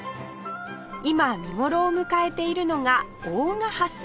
今見頃を迎えているのが大賀ハス